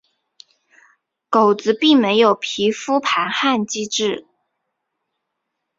狗只并没有皮肤排汗机制。